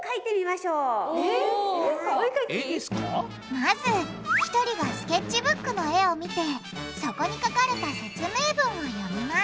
まず１人がスケッチブックの絵を見てそこに書かれた説明文を読みます。